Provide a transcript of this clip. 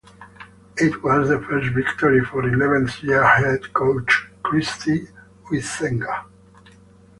It was the first victory for eleventh year head coach Kristi Huizenga.